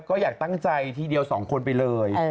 ก็อยากตั้งใจทีเดียว๒คนไปเลย